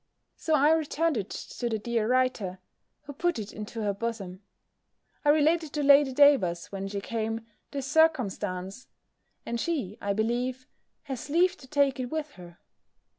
So I returned it to the dear writer; who put it into her bosom. I related to Lady Davers, when she came, this circumstance; and she, I believe, has leave to take it with her.